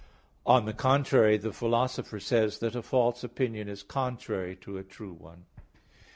On the contrary, The Philosopher says (Peri Herm. ii), that a false opinion is contrary to a true one.